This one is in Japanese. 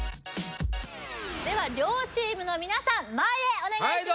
では両チームの皆さん前へお願いします